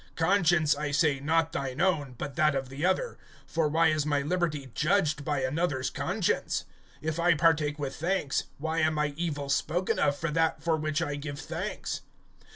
(29)Conscience, I say, not thine own, but that of the other; for why is my liberty judged by another's conscience? (30)If I partake with thanks, why am I evil spoken of, for that for which I give thanks?